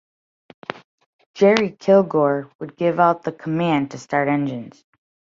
Jerry Kilgore would give out the command to start engines.